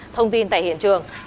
thông tin tại hiện trường